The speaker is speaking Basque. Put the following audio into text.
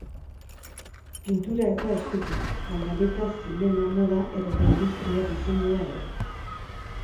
Pintura eta eskultura baina baita zinema, moda edota industria diseinua ere.